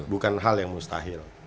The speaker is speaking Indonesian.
bukan hal yang mustahil